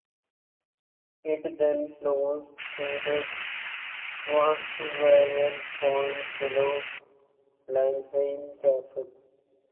It then flows through the "Schwanenweiher" pond below Blankenheim Castle.